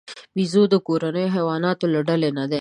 بیزو د کورنیو حیواناتو له ډلې نه دی.